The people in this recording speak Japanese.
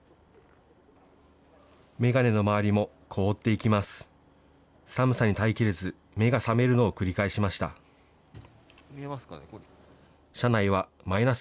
眼鏡の周りも凍っていきます。